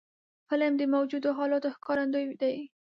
فلم د موجودو حالاتو ښکارندوی دی